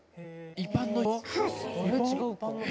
一般の方？